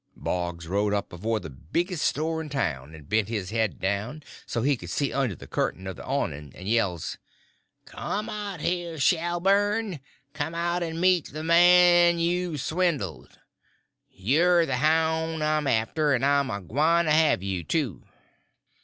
Boggs rode up before the biggest store in town, and bent his head down so he could see under the curtain of the awning and yells: "Come out here, Sherburn! Come out and meet the man you've swindled. You're the houn' I'm after, and I'm a gwyne to have you, too!"